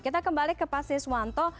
kita kembali ke pak siswanto